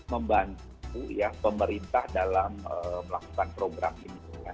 membantu ya pemerintah dalam melakukan program ini